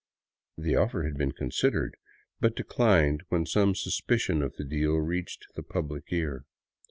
The offer had been considered, but declined when some suspicion of the deal reached the public ear.